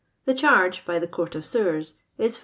The charge (by the Court of Sewers) is 5s.